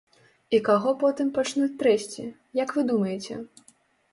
І каго потым пачнуць трэсці, як вы думаеце?